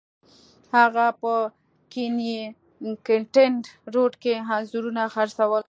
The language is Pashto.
هغه په کینینګټن روډ کې انځورونه خرڅول.